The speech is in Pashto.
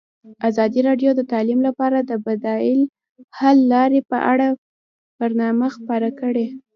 ازادي راډیو د تعلیم لپاره د بدیل حل لارې په اړه برنامه خپاره کړې.